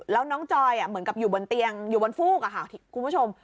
แล้วน้องจอยเหมือนกับอยู่บนเตียงอยู่บนฟูกอะค่ะคุณผู้ชม